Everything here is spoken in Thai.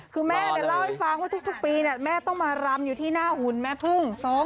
คือแม่เล่าให้ฟังว่าทุกปีแม่ต้องมารำอยู่ที่หน้าหุ่นแม่พึ่ง